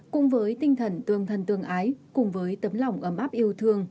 cùng với tinh thần tương thân tương ái cùng với tấm lòng ấm áp yêu thương